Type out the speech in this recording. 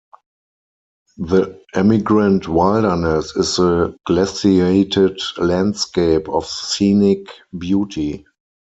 The Emigrant Wilderness is a glaciated landscape of scenic beauty.